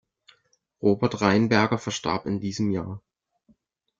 Robert Rheinberger verstarb in diesem Jahr.